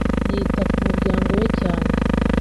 yita ku muryango we cyane